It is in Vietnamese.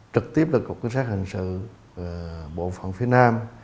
trực tiếp là cục cứu sát hình sự bộ phòng phía nam